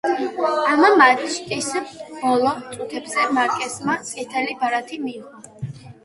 ამ მატჩის ბოლო წუთებზე მარკესმა წითელი ბარათი მიიღო.